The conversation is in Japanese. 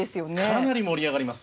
かなり盛り上がります。